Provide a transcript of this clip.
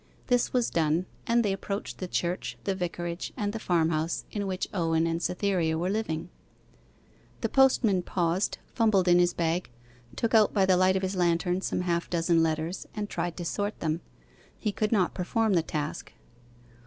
This was done, and they approached the church, the vicarage, and the farmhouse in which Owen and Cytherea were living. The postman paused, fumbled in his bag, took out by the light of his lantern some half dozen letters, and tried to sort them. He could not perform the task.